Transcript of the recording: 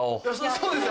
そうですよ。